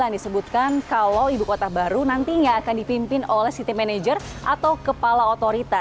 disebutkan kalau ibu kota baru nantinya akan dipimpin oleh city manager atau kepala otorita